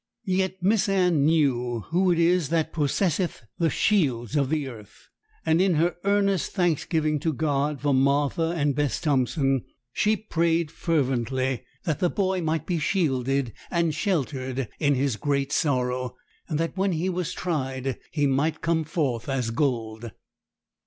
Yet Miss Anne knew who it is that possesseth 'the shields of the earth,' and in her earnest thanksgiving to God for Martha and Bess Thompson, she prayed fervently that the boy might be shielded and sheltered in his great sorrow, and that when he was tried he might come forth as gold.